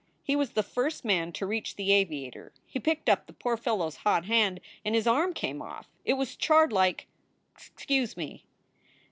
He was the first man to reach the aviator. He picked up the poor fellow s hot hand and his arm came off. It was charred like Excuse me!"